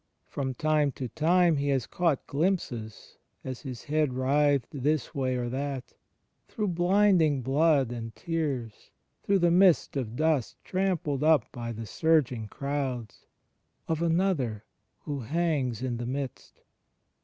From time to time he has caught glimpses, as his head writhed this way or that, through blinding blood and tears, through the mist of dust trampled up by the surging crowds, of Another who hangs in the midst.